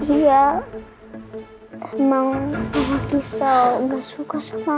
iya emang tante gisa gak suka sama aku